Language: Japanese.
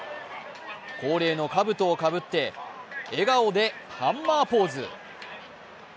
恒例のかぶとをかぶって笑顔でハンマーポーズ。